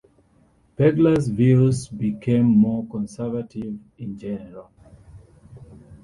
Pegler's views became more conservative in general.